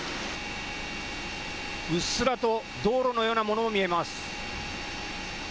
うっすらと道路のようなものが見えます。